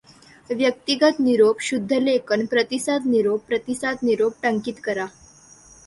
व्यक्तिगत निरोप शुद्धलेखन प्रतिसाद निरोप प्रतिसाद निरोप टंकित करा.